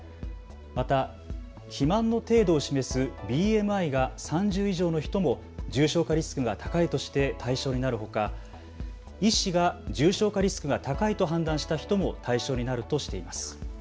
また肥満の程度を示すＢＭＩが３０以上の人も重症化リスクが高いとして対象になるほか、医師が重症化リスクが高いと判断した人も対象になるとしています。